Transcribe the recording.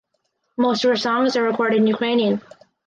Most of her songs are recorded in Ukrainian.